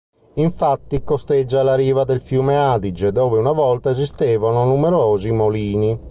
Infatti, costeggia la riva del fiume Adige dove una volta esistevano numerosi molini.